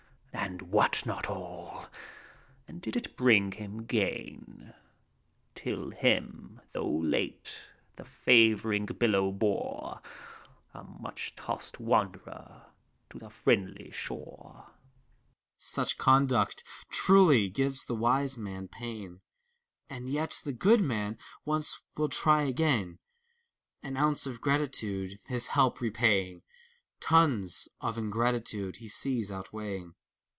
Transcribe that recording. And what not all? — and did it hring him gainf Till him, though late, the favoring billow bore, A much tossed wanderer, to the friendly shore. THALES. Such conduct, truly, gives the wise man pain. And yet the good man once will try again. An ounce of gratitude, his help repaying. Tons of ingratitude he sees outweighing.